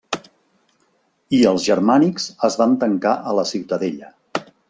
I els germànics es van tancar a la ciutadella.